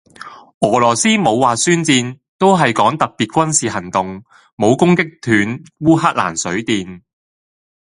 俄羅斯冇話宣戰,都係講特別軍事行動，冇攻擊斷烏克蘭水電。